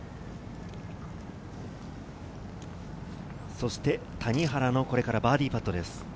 そして谷原の、これからバーディーパットです。